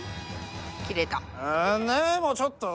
切れた。